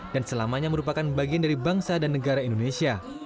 dan selamanya merupakan bagian dari bangsa dan negara indonesia